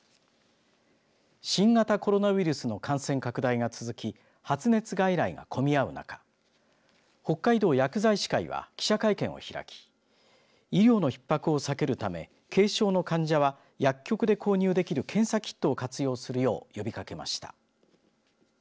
新型コロナウイルスの感染拡大が続き発熱外来が混み合う中北海道薬剤師会は記者会見を開き医療のひっ迫を避けるため軽症の患者は薬局で購入できる検査キットを活用するよう呼びかけました。